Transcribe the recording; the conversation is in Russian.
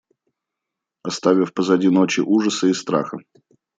Оставив позади ночи ужаса и страха,.